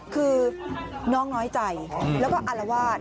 คือน้องน้อยใจแล้วก็อารวาส